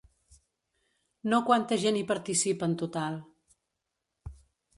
No quanta gent hi participa en total.